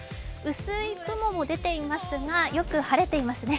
薄い雲も出ていますがよく晴れていますね。